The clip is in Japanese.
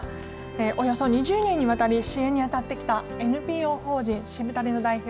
およそ２０年にわたり支援に当たってきたＮＰＯ法人、しぶたねの代表